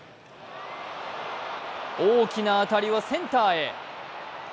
大きな当たりはセンターへ。